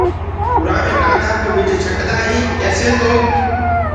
اُرآ مي ڪآڌآ ڪو ٻج ڇٽدآ هين ڪيسي تو